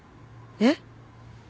えっ！？